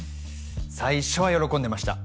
最初は喜んでました